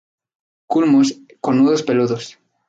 Culmos con nudos peludos.